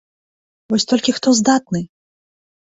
Вось толькі хто здатны?